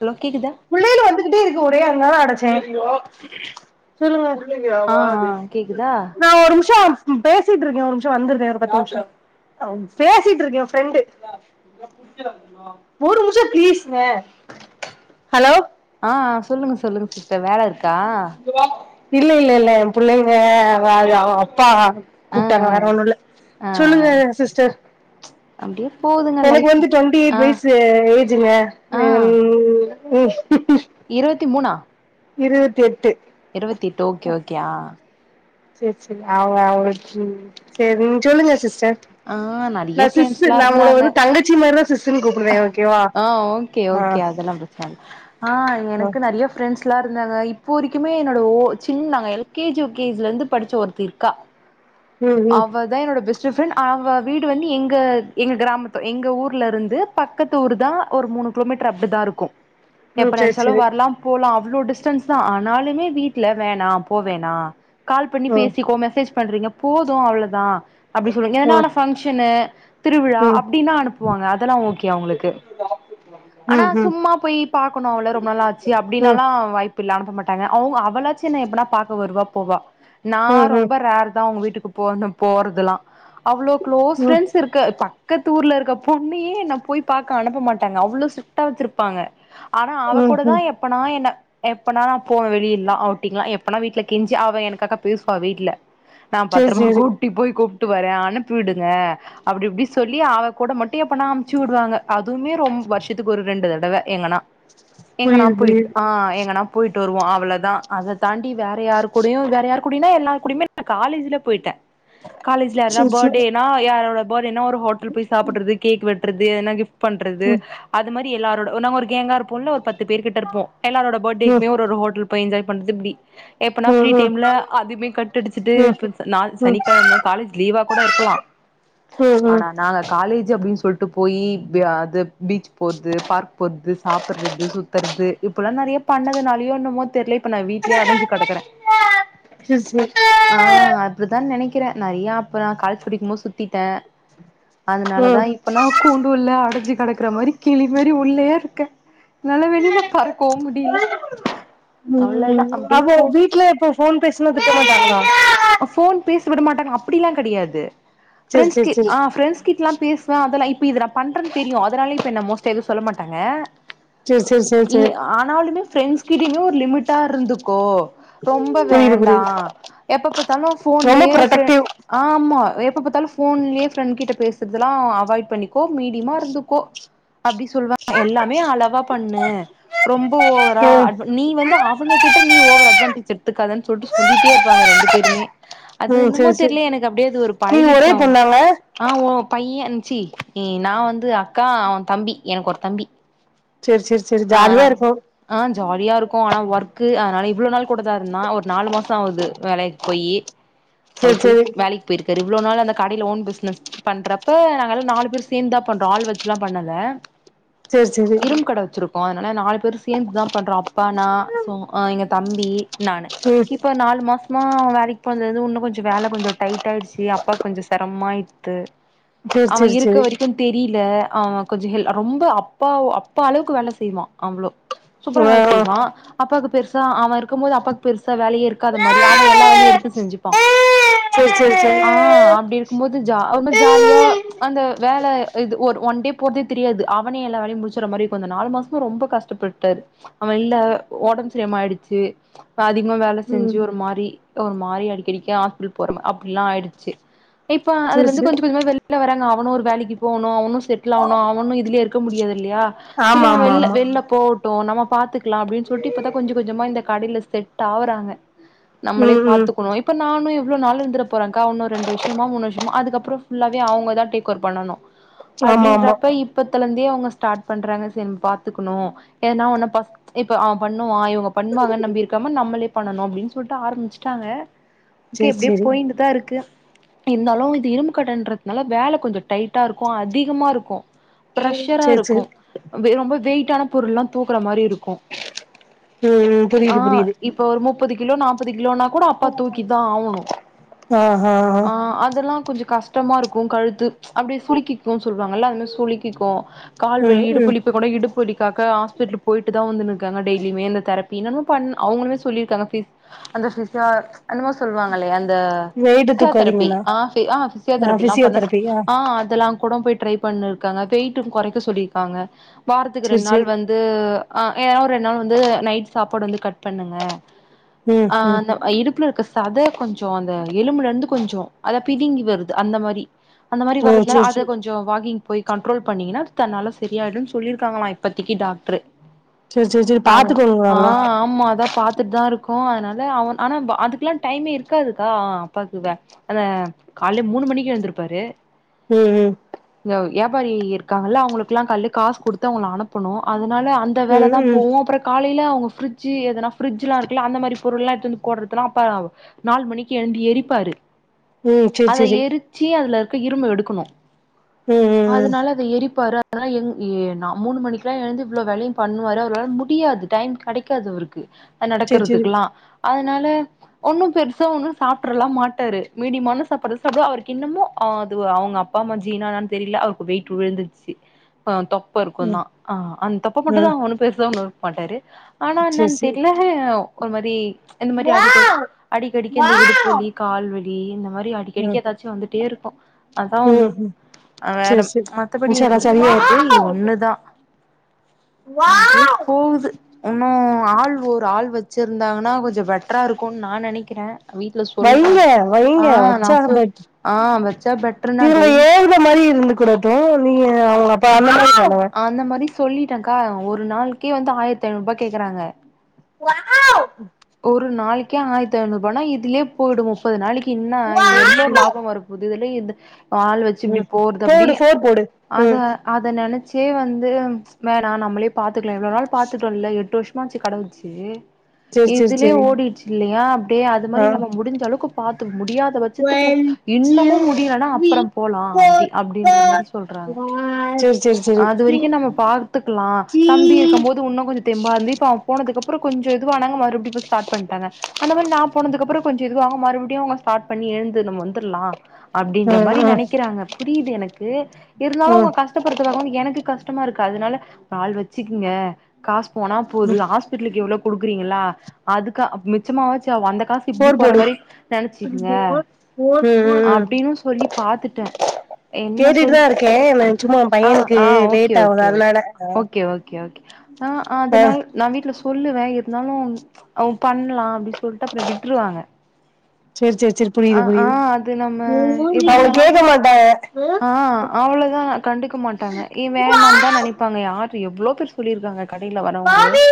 hello கேக்குதா புள்ளையிலு வந்துகிட்டே இருக்கு ஒரே அதனால அடச்சே சொல்லுங்க ஆ ஆ கேக்குதா நா ஒரு நிம்ஷோ து பேசிட்டு இருக்கே ஒரு நிமிஷோ வந்துருறே ஒரு பத்து நிம்ஷோ பேசிட்டு இருக்கேன் ஃப்ரெண்டு [inaudible] ஹலோ ஆ சொல்லுங்க சொல்லுங்க சிஸ்டர் வேல இருக்கா இல்ல இல்ல இல்ல எ புள்ளைங்க அவ் அவோ அப்பா ஆ ஆ கூப்டாங்க வேரோன்னு இல்ல ஆ சொல்லுங்க சிஸ்டர் அப்டியே போதுங் எனக்கு வந்து ட்வெண்டி எயிட் வயசு ஏஜுங்க ஆ ம் ஹ ஹ் ஹ் இருவத்தி மூணா இருவத்தெட்டு இருவத்தெட்டு ஓகே ஓகே ஆ செர் செர் அவ அவங்களுக் சொல் சரி நீங்க சொல்லுங்க சிஸ் ச ஆ நெறைய நா சிஸ் இல்ல ஃப்ரெண்ட்ஸ்லா நா உங்க இருந்தாங்க வந்து தங்கச்சி மாரிதா சிஸ் ஆ ஓகே ஓகே அதல்லா பிரச்சன இல்ல ஆ ஆ எனக்கு நறய ஃப்ரெண்ட்ஸ்லா இருந்தாங்க இப்போ வரைக்குமே என்னோட ஓ சின்ன நாங்க எல்கேஜி யூகேஜிலேந்து படிச்ச ஒருத்தி இருக்கா ம் ம் அவ தா என்னோட பெஸ்ட்ட் ஃப்ரெண்ட் அவ வீடு வந்து எங்க எங்க கிராமத்து எங்க ஊர்லருந்து பக்கத்து ஊருதா ஒரு மூணு கிலோமீட்டர் அப்டிதா இருக்கும் ம் எப்ப சேரி நன்ச்சாலும் சேரி வரலாம் போலாம் அவ்ளோ டிஸ்டன்ஸ் தா ஆனாலுமே வீட்ல வேணாம் போ வேணாம் கால் பண்ணி ம் பேசிக்கோங்க மெசேஜ் பண்றீங்க போதும் அவ்ளோதா அப்டி சொல்லுங்க ம் என்னான ம் ஃபங்ஷன் திருவிழா ம் அப்டின்னா அனுப்புவாங்க அதல்லாம் ஓகே அவங்களுக்கு ஆனா ம் ம் ம் சும்மா போய் பாக்கணும் அவள ரொம்ப நாளா ஆச்சு அப்டின்னாலா வாய்ப்பு இல்ல அனுப்ப மாட்டாங்க அவங்க அவளாச்சி என்ன எப்பனா பா்க்க வருவா போவா நா ரொம்ப ரேர் தா அவுங்க வீட்டுக்கு போ போறதல்லாம் அவ்ளோ க்ளோஸ் ம் ம் ஃப்ரெண்ட்ஸ் இருக்க பக்கத்து ஊர்ல இருக்க பொன்னையே என்ன போய் பாக்க அனுப்ப மாட்டாங்க அவ்ளோ ஸ்ட்ரிட்டா வச்சிருப்பாங்க ஆனா அவ ம் கூடதா ம் எப்பனா என்ன எப்பனா நா போவே வெளில்லா அவுட்டிங்ல்லா எப்பனா வீட்ல கெஞ்சி அவ எனக்காக பேசுவா வீட்ல நா சேரி பத்ரமா சேரி கூ ட்டு போய் கூப்ட்டு வரே அனுப்பி விடுங்க அப்டி இப்டி சொல்லி அவ கூட மட்டு எப்பனா அமுச்சு விடுவாங்க அதுமே ரொம் வருஷத்துக்கு ஒரு ரெண்டு தடவ எங்கனா எங்கனா புரியுது போய்ட் புரியுது ஆ எங்கனா போய்ட்டு வருவோ அவ்ளதா அத தாண்டி வேற யாரு கூடயு வேற யாரு கூடயுனா எல்லார் கூடயுமே காலேஜ்ல போய்ட்டே காலேஜ்ல யார்னா சேரி சேரி படேனா யாரோட படேனா ஒரு ஹோட்டல் போய் சாப்புட்றது கேக் வெட்றது ஏனா கிஃப்ட் பண்றது ம் அது மாரி எல்லாரோட நம்ம ஒரு கேங்கா இருப்போல்ல ஒரு பத்து பேர்கிட்ட இருப்போ எல்லாரோட ம் ம் படேக்குமே ஒரு ஒரு ஹோட்டல் போய் என்ஜாய் பண்றது இப்டி எப்பனா ம் ஃப்ரீ ம் டைம்ல அதுமே கட் அடிச்சுட்டு ம் ம் ம் நாள் சனிக்கெழம காலேஜ் லீவா கூட இருக்கலா ஆனா நாங்க காலேஜ் அப்டின் சொல்ட்டு போயி த பீச் போறது பார்க் போறது சாப்புட்றது சுத்துறது இப்பெல்லா நெறைய பண்ணதுனாலயோ என்னமோ தெர்ல இப்ப நா வீட்லயே அடஞ்சு கெடக்கறே [unintelligible] ஆ அப்டிதா நெனைக்கிறே நெறைய அப்புற காலேஜ் படிக்கும்போது சுத்திட்டே அதனாலதா ம் இப்ப நா கூண்டுள்ள அடஞ்சு கெடக்குற மாரி கிளி மேரி உள்ளயே இருக்கே என்னால வெளில பறக்கவு முடில அவ்ளோதா ம் அப்டியே அவோ போ வீட்ல இப்போ ஃபோன் பேஸ்னா திட்டமாட்டாங்ளா ஃபோன் பேச விட மாட்டாங்க அப்டில்லா கெடையாது சேரி சேரி ஃப்ரெண்ட்ஸ்க்கு சேரி அ ஃப்ரெண்ட்ஸ் கிட்டல்லா பேஸ் போ அதெல்லா இப்ப இது நா பன்றென் தெரியு அதனாலே இப்ப என்ன மோஸ்ட்டா எதுவு சொல்ல மாட்டாங்க சேரி சேரி சேரி சேரி ஆனாலுமே ஃப்ரெண்ட்ஸ் கிட்டயுமே ஒரு லிமிட்டா இருந்துக்கோ ரொம்ப புரியுது வேண்டா புரியுது எப்ப பாத்தாலு ரொம்ப ஃபோன்லயே ஃப்ரெ ப்ரொடக்டிவ் ஆமா எப்ப பாத்தாலு ஃபோன்லயே ஃப்ரெண்ட் கிட்ட பேசுறதுலா அ வாய்ட் பண்ணிக்கோ மீடிமா இருந்துக்கோ அப்டி சொல்லுவா எல்லாமே அளவா பண்ணு ரொம்ப ஓவரா ம் அட் நீ வந்து அவங்க கிட்ட நீ ஓவர் அடவான்டேஜ் எடுத்துக்காதன்னு சொல்ட்டு சொ சொல்லிட்டே இருப்பாங்க ரெண்டு பேருமே அது ம் இன்னுமோ சேரி சேரி தெர்ல எனக்கு அப்டியே அது ஒரு நீங்க பழகிடுச்சு ஒரே பொண்ணாங்க ஆ ஒ பையன் சி நா வந்து அக்கா அவ தம்பி எனக்கொரு தம்பி சேர் சேர் சேரி ஆ ஜாலியா நாங் இருக்கு ஆ ஜாலியா இருக்கு ஆனா ஒர்க்கு அதனால இவ்ள நாள் கூடதா இருந்தா ஒரு நாலு மாச ஆவுது வேலை போயி சேரி அவர் போய் சேரி வேலைக் போய்ருக்காரு இவ்ளோ நாள் அந்த கடைல ஓன் பிஸ்னஸ் பண்றப்ப நாங்கல் நாலு பேர் சேந்துதா பண்றோ ஆள் வச்சலா பண்ணல சேரி சேரி இரும் கட வச்சிருக் கோ அதனால நாலு பேர் சேந்துதா பண்றோ அப்பா நா சோ எங்க தம்பி நானு ம் இப்ப நாலு மாச மா வேலைக்கு போனதுலருந்து இன்னு கொஞ்ச வேல கொஞ்ச டைட் ஆய்டுச்சு அப்பா கொஞ்ச செரமமா ஆய்டுத்து சேரி அவ சேரி இருக்க சேரி வரைக்கு தெரில அவ கொஞ்ச ஹெல் ரொம்ப அப்பா அப்பா அளவுக்கு வேல செய்வா அவ்ளோ சூப்பர வேல ஆ செய்வா அப்பாக்கு பெருசா அவ இருக்கும் போது அப்பாக்கு பெருசா வேலையே இருக்காத மாரி அவ எல்லா வேலயு எடுத்து செஞ்சுப்பா சேரி சேரி ஆ சேரி அப்டி இருக்கும்போது ஜா இன்னு ஜாலியா அந்த வேல இது ஒரு ஒன்டே போறதே தெரியாது அவனே எல்லா வேலையு முடிச்சுற மாரி இருக்கோ இந்த நாலு மாசமா ரொம்ப கஷ் கஷ்டப்பட்டாரு அவ இல்ல ஒடம் சரியாம ஆயிடுச்சு அதிகமா வேல ம் செஞ்சு ஒரு மாரி ஒரு மாரி அடிக்கடிக்கு ஹாஸ்பிடல் போறோ மாரி அப்புட்லா ஆயிடுச்சு இப்ப அதுல சேரி இருந்து சேரி கொஞ்ச கொஞ்சமா வெள் வெள்ள வராங்க அவனு ஒரு வேலக்கி போணு அவனு செட்டில் ஆவுனு அவனு இதுலே இருக்க முடியாது இல்லயா சேரி ஆமா அவ ஆமா இல்ல ஆமா வெள்ள போவட்டு நம்ம பாத்துக்கலா அப்டினு சொல்ட்டு இப்பதா கொஞ்ச கொஞ்சமா இந்த கடையில செட் ஆவுறாங்க நம்மளே ம் ம் பாத்துக்கணு இப்ப நானு எவ்ள நாள் இருந்தர போறேங்கா இன்னு ரெண்டு வருஷமோ மூணு வருஷமோ அதுக்கப்புறோ ஃபுல்லா வே அவங்க தா டேக் ஓவர் பண்ணணு ஆமா ஆமா அப்படின்றப்ப இப் இப்பத்தலந்தே அவங்க ஸ்டாட் பண்றாங்க சரி பாத்துக்கணு ஏன்னா ஒன்னா பஸ் இப்ப அவ பண்ணுவா இவங்க பண்வாங்க நம்பி இருக்காம நம்மளே பண்ணணு அப்டின்னு சொல்ட்டு ஆரம்பிச்சுட்டாங்க ஒகே சேரி இப்டியே சேரி போய்ட்டுதா இருக்கு இருந்தாலு இது இரும்பு கடன்ன்ற நால வேல கொஞ்சோ டைட்டா இருக்கு அதிகமா இருக்கு ப்ரெஷரா சேரி இருக்கு சேரி ரொம்ப வெயிட்டான பொருள்ல்லா தூக்குற மாரி இருக்கு ம் ம் ஆ புரியுது புரியுது இப் இப்ப ஒரு முப்பது கிலோ நாப்பது கிலோனா கூட அப்பா தூக்கிதா ஆவனு ஆ அதெல்லா கொஞ்சோ கஷ்டமா இருக் கு கழுத்து அப்டி சுலிக்கிக்கு சொல்லுவாங்கல்ல அதுமாரி சுலிக்கிக்கு கால்வலி ம் ம் இடுப்வலி இப்பகூட இடுப் டுப்பு வலிக்காக ஹாஸ்பிடல் போயிட்டு தா வந்துனுருக்காங்க டெய்லியுமே இந்த தெரபி இன்னுமோ பண் அவங்கலுமே சொல்லிருக்காங்க பிஸ் அந்த பிஸ்யா என்னமோ சொல்வாங்கலையா அந்த வெயிட்டு பிஸ்யா தெரபி தூக்காதீங்கண்ணா அ அ பிஸ்யா ஆ தெரப் ஃபிசியோதெரபி ஆ அ அதெல்லா கூட போய் ட்ரை பண்ணிருக்காங்க வெயிட்டு கொறைக்க சொல்லிருக்காங்க வாரத்துக்கு சேரி ரெண் நாள் சேரி வந் து அ ஏனா ஒரு ரெண் நாள் வந்து நைட் சாப்பாடு வந்து கட் பண்ணுங்க ம் அ ம் அந்த இடுப்ல இருக்க சத கொஞ்சோ அந்த எலும்புல இருந்து கொஞ்சோ அத பிதுங்கி வருது அந்த மாரி அந்த மாரி ஓ வரதுல சேரி அத சேரி கொஞ்சோ சோ வாக்கிங் போய் கண்ட்ரோல் பண்ணீங்கன்னா தன்னால சரியாயிடு சொல்லிருக்காங்களா இப்பத்திகி டாக்ட்ரு சேரி சேரி சேரி அதுன் ஆ பாத்துக்கோங்கண்ணா ஆமா அதா பாத்துட்தா இருக்கோ அதனால அவ ஆனா அதுக்லா டைமே இருக்காதுக்கா அவ அப்பாவுக்குவே கால்லயே மூணு மணிக்கு எழுந்திருப்பாரு ம் ம் வியாபாரி இருக்காங்கல அவங்களுக்கெல்லா கால்லே காஸ் கொடுத்து அவங்கள அனுப் பனு அதனால அந்த வேல ம் தா ம் போவு அப்றோ காலையில அவுங்க பிரிட்ஜ் எதனா பிரிட்ஜ்லா இருக்குல அந்த மாரி பொருள்ளா எடுத்துட்டு வந்து போற்றதுல அப்ப [unintelligible] நால் மணிக்கு எழுந்து எரிப்பாரு ம் சேரி அத சேரி எரிச்சி அதுல இருக்க இரும்ப எடுக்கனு ம் ம் ம் அதனால அத எரிப்பாரு அதனால எ மூணு மணிக்கலா எழுந்து இவ்ளவு வேலயு பண்ணுவாரு அவரால முடியாது டைம் கடைக்காது அவருக்கு சேரி சேரி நடக்கறதுக்குலா அதனால ஒன்னு பெருசா ஒன்னு சாப்பிடறலா மாட்டாரு மீடியமான சாப்பதுதா சாப்டுவாரு அவரு என்னமோ அது அவங்க அப்பா அம்மா ஜீனான்னு தெரில அவருக்கு வெயிட் விழுந்துருச்சு தொப்ப இருக்கு ம் தா அந்த தொப்ப மட்டு தா ம் அவரு பேசமா இருக்க மாட்டாரு ஆனா சேரி என்னன்னு சேரி தெரில ஒரு மாரி இந்த மாரி அடிக்கடி வாவ் அடிக்கடிக்க இந்த இடுப்பு வாவ் வலி கால்வலி இந்த மாரி அடிக்கடிக்க ம் எதாச்சு வந்துட்டே இருக்கு அதா ஒண்ணு ம் ம் வேற சேரி சேரி மத்தபடி இன்ஷால்லா எதுவு சரியாயிரு கெடயாது இது ஒண்ணுதா எங்கயோ வாவ் போவுது இன்னு ஆள் ஒரு ஆள் வச்சிருந்தாங்கனா கொஞ்சோ பெட்ரா இருக்குன்னு நா நெனக்கிறே வீ சொல்வே வைங்க வைங்க ஆஹ் நா வச்சா சொ பட் ஆஹ் வச்சா பெட்ரா டெய்லி போற மாரி இருந்துக்கனு அப்போ நீங்க அவுங்க அப்ப அந்த மாரி தானே அந்த மாரி சொல்லிட்டேக்கா ஒரு நாள்க்கே வந்து ஆயிரத்தி ஐநூறுபா கேக்குறாங்க குவா ஒரு நாளக்கே ஆயிரத்தி ஐநூறுபானா இதுலே போயிடு மு முப்பது நாளைக்கி இன்னா ம் எவ்ளோ ம் லாபம் வரப்போது இதுல இந்த ஆள் வச் சி இப்டி ம் போறது அப்டி போடு ஃபோர் போடு அத ம் அத நெனைச்சே வந்து வேணா நம்மளே பாத்துக்கலா இவ்ளோ நாள் பாத்துட்டோ இல்ல எட்டு வரு ஷமாச்சு கட வெச்சு செரி செரி இதுலே செரி ஓடிட்ச்சு இல்லையா அப்டியே அது மாரி ஆ நம்ம முடிஞ்சளவுக்கு பாத்துப்பே முடியாத பட்சத்துக்கு ஒன் டூ இன்னமு முடியலனா த்ரீ அப்பறம் போலா அப்டி அப்டின்றமேரி சொல்றாங் சேரி அது வரைக்கு நம்ம பாத்துக்லா த்ரீ தம்பி இருக்கம்போது உன்னு கொஞ்சோ தெம்பா இருந்து இப்ப அவ போனதுக்கு அப்றோ கொஞ்சோ இதுவானாங்க மறுபடியு இப்ப ஸ்டார்ட் பண்ணிட்டாங்க அந்த மாரி நா போனதுக்கு அப்பறோ கொஞ்சோ இதுவாகு மறுபடியு அவங்க ஸ்டார்ட் பண்ணி எழுந்து நம்ம வந்துட்லா ஆ அப்டின்ற மாரி ஆ நெனைக்கிறாங்க புரியுது எனக்கு இருந்தாலு ஆ அவங்க கஷ் டத்த பாக்கும்போது எனக்கு கஷ்டமா இருக்கு அதனால ஒரு ஆள் வெச்சுக்குங்க காசு போனா போது ஆஸ் பிட்டலுக்கு இவ்ளோ குடுக்குறீங்களா அதுக்கு மி ச்சமாவாச்சு ஆவு அந்த காசு இப்டி ஃபோர் போற போடு மாரி நெனச்சுகுங்க ஃபோர் ம், ம் ம் அப்டின்னு சொல்லி பாத்துட்டே என்ன சொல்லி கே என்ன சும்மா உ ஆ பையனுக்கு ஆ ஓகே லேட் ஆவுது ஓகே ஓகே அதனால அ ஓகே ஓகே ஓகே, ஆ அதனால நா வீட்ல சொல்லுவே இருந்தாலு ம் பண்ணலா அப்டின்னு சொல்ட்டு அப்பறோ விட்ருவாங்க செரி செரி செரி அ புரியுது ஆ புரியுது அது நம்ம எப்டி அவ சொன்னாலு, கேக்க மாட்டாங்க ஆ அவ்ளோதா கண்டுக்க மாட்டாங்க ஏ வேணான்னுதா வாவ் நெனைப்பாங்க யாரு எவ்வளோ பேர் சொல்லிருக்காங்க கடைல வரவங்களே பாவி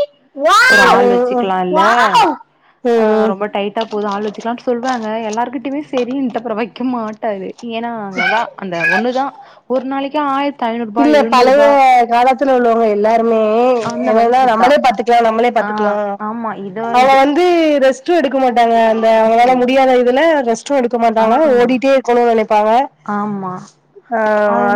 ஒரு வாவ் ஆள் வெச்சுக்கலா இல்ல வாவ் ஆ ம் ரொம்ப டைட் டா போது ஆள் வச்சிக்கலானு சொல்லுவாங்க எல்லாருகிட்டயுமே செரின்ட்டு அப்பறோ வைக்க மாட்டாரு ஏன்னா அங்க அதா அந்த ஒன்னுதா ஒரு நாளைக்கு ஆயி இல்ல பழைய கால த்துல உள்ளவாங்க எல்லாருமே அந்த மைண்ட் என்னன்னா செட் தா நம்மளே பாத்துக்கலா நம்மளே ஆ பாத்துக்கலா ஆமா இதோ அவங்க இது வந்து ரெஸ்ட்டு எடுக்க மாட்டாங்க அந்த அவங்களால முடியாத இதுல ரெஸ்ட்டு எடுக்க ஆ மாட்டாங்க ஓடிட்டே இருக்கணுனு நெனைப்பாங்க ஆமா ஆ,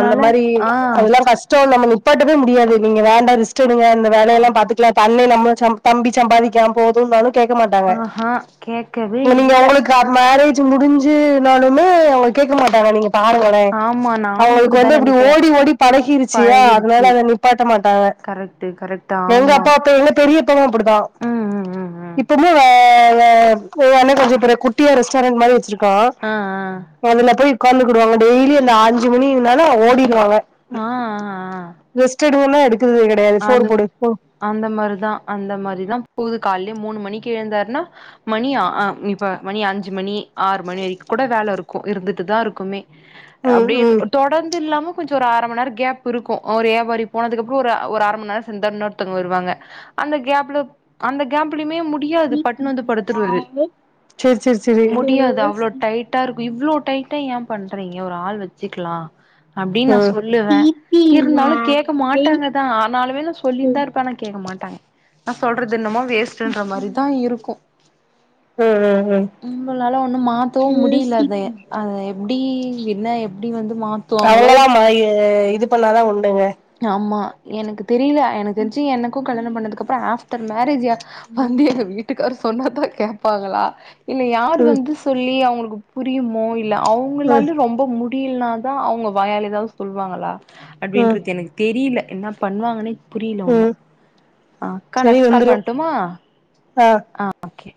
அந்த மாரி ஆ அதெல்லா கஷ்டோ நம்ம நிப்பாட்டவே முடியாது நீங்க வேண்டா ரெஸ்ட் எடுங்க இந்த ஆ வேலையெல்லா பாத்துக்லா பண்ணி நம்ம ச தம்பி சம்பாதிக்கா போதுன்னாலு கேக்க மாட்டாங்க ஆஹா கேக்கவே நீங்க இல்ல உங்களுக் கு அது மேரேஜ் முடிஞ்சுனாலுமே அவங்க கேக்க மாட்டாங்க நீங்க பாருங்க ளே ஆமா நானு அவங்களுக்கு இப்டித்தா வந்து அப்டி நெனைக்கிறே ஓடி ஓடி பழகிருச்சியா அதனால பழகிடுச்சு அத நிப்பாட்ட மாட்டாங்க கரெக்ட்டு கரெக்ட்டு எங்க ஆமா அப்பா அப்ப எங்க பெரியப்பாவு அப்டித்தா ம், ம் ம் ம் இப்பமு அ அ எங்க அண்ண கொஞ்சோ பெரு குட்டியா ரெஸ்டாரண்ட் மாரி வெச்சிருக்கா ஆ, ஆ அதுல போய் உக்காந்துகிடுவாங்க டெய்லி அந்த அஞ்சு மணினால ஓடிடுவாங்க ஆ, ஆ ஆ ரெஸ்ட் எடுங்கன்னா எடுக்குறது கிடையாது சோறு அது போடு போ அந்த மாரிதா அந்த மாரிதா போகுது காலைலே மூனு மணிக்கு எழுந்தாருன்னா மணி ஆ அ இப்ப மணி அஞ்சு மணி ஆறு மணி வரைக்கு கூட வேலை இருக்கு இருந்துட்டுதா இருக்குமே ம் அப்டியே ம் தொடர்ந்து இல்லாம கொஞ்சோ ஒரு அரை மண்நேரம் கேப் இருக்கு ஒரு வியாபாரி போனதுக்கு அப்பறோ ஒரு ஒரு அர மண் நேரம் சேர்ந்த னொருத்தர் வருவாங்க அந்த கேப்ல அந்த கேப்லுயுமே மு டியாது பட்டுனு வந்து படுத்துருவாரு சரி சரி முடியாது அவ்ளோ சரி டைட் ட்டா இருக்கும் இவ்ளோ டைட்டா ஏன் பண்றீங்க ஒரு ஆள் வெச்சுக்கலா அப்டின் நா ம் சொல்லுவே ம் இருந்தாலு கேட்க ம் மாட்டாங்கதா ஆனாலுமே நா சொல்லின்ந்தா இருப் பேன் கேட்க மாட்டாங்க நா சொல்றது என்னமோ வேஸ்ட்ன்ற மாரிதா இருக்கோ ம் ம் ம் நம்பளால ஒன்னும் மாத்தவும் முடியல அதய அத எப்டி என்ன எப்டி வந்து மாத் அவங்கல்லா மாறி இது பண்ணாதா உண்டுங்க ஆம்மா எனக்கு தெரில எனக்கு தெரிஞ்சு எனக்கும் கல்யணம் பண்ணதுக்கு அப்பறோ ஆஃப்டர் மேரேஜ்யா வந்து எங்க வீட்டுக்காரு சொன்னாதா கேட்பாங்களா இல்ல யார் ம் வந்து சொல்லி அவங்களுக்குப் புரியுமோ இல்ல ம் அவங்களாலலூ ரொம்ப முடியல்னாதா அவங்க வாயால ‌எதாவத் சொல்லுவாங்களா ம் அப்டின்றது எனக்கு தெரில்ல என்ன பண்ணுவாங்கன்னே புரியல ம் உண்ணும் அ அக்கா சரி நெக்ஸ்ட் கால் வந்துரு பண்ட்டுமா ஆ அ ஓகே